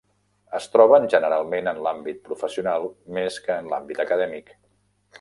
Es troben generalment en l'àmbit professional, més que en l'àmbit acadèmic.